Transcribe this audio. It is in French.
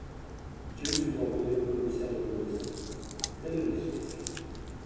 Dieu subordonné au commissaire de police ; tel est le siècle.